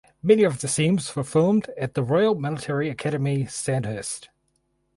Many of the scenes were filmed at the Royal Military Academy Sandhurst.